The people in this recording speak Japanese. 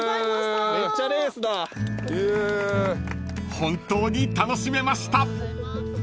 ［本当に楽しめました］